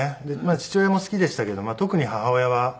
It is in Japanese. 父親も好きでしたけど特に母親は。